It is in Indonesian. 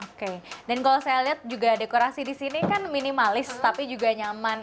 oke dan kalau saya lihat juga dekorasi di sini kan minimalis tapi juga nyaman